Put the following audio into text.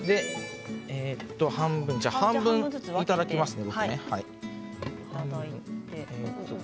半分いただきますね。